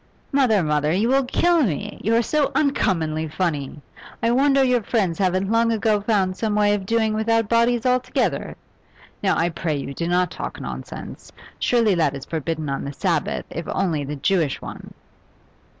'Mother, mother, you will kill me! You are so uncommonly funny! I wonder your friends haven't long ago found some way of doing without bodies altogether. Now, I pray you, do not talk nonsense. Surely that is forbidden on the Sabbath, if only the Jewish one.